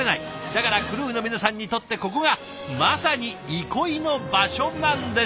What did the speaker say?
だからクルーの皆さんにとってここがまさに憩いの場所なんです。